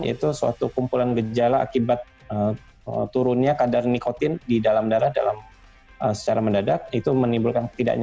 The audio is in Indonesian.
itu suatu kumpulan gejala akibat turunnya kadar nikotin di dalam darah secara mendadak